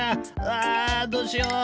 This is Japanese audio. うわどうしよう！